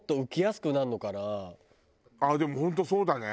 ああでも本当そうだね。